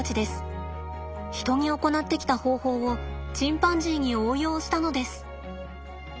人に行ってきた方法をチンパンジーに応用したのです。